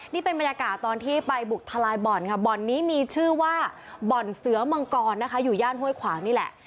นี่เป็นบรรยากาศตอนที่ไปบุกทลายบ่อนค่ะบ่อนนี้มีชื่อว่าบ่อนเสือมังกรนะคะอยู่ย่านห้วยขวางนี่แหละ